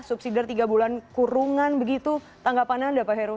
subsidi dari tiga bulan kurungan begitu tanggapan anda pak heru